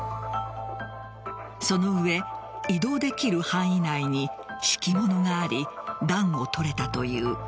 その上移動できる範囲内に敷物があり暖を取れたという。